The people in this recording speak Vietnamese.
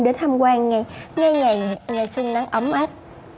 đến tham quan ngay ngày xuân nắng ấm áp